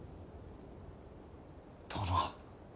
殿。